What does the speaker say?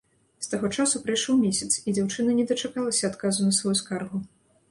З таго часу прайшоў месяц, і дзяўчына не дачакалася адказу на сваю скаргу.